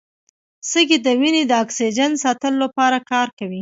سږي د وینې د اکسیجن ساتلو لپاره کار کوي.